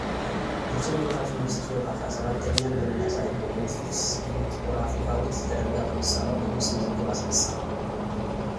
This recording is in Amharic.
ግብጽን የመራችው ንግሥት ክሊዮፓትራ ሰባተኛን በሚያሳየው የኔትፍሊክስ ፊልም ጥቁር አፍሪካዊት ተደርጋ በመሳሏ በግብጽ ውዝግብ አስነሳ።